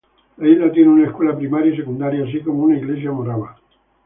La isla tiene una escuela primaria y secundaria, así como una iglesia morava.